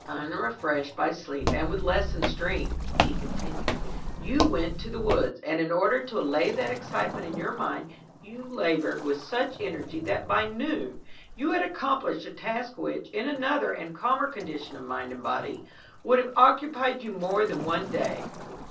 "Unrefreshed by sleep and with lessened strength," he continued, "you went to the woods, and in order to allay that excitement in your mind, you labored with such energy that by noon you had accomplished a task which, in another and calmer condition of mind and body, would have occupied you more than one day.